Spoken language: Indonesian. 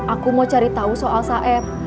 aku mau cari tau soal saeb